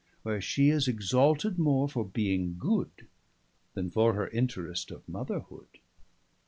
Where she is exalted more for being good, Then for her interest of Mother hood.